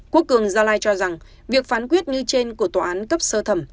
quốc cường gia lai cho rằng việc phán quyết như trên của tòa án cấp sơ thẩm